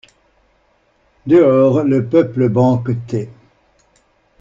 Dehors, le peuple banquetait.